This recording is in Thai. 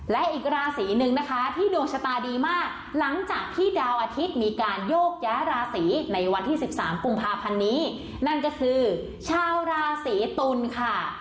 และอีกราศีหนึ่งนะคะที่ดวงชะตาดีมากหลังจากที่ดาวอาทิตย์มีการโยกย้ายราศีในวันที่๑๓กุมภาพันธ์นี้นั่นก็คือชาวราศีตุลค่ะ